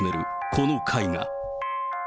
この絵画。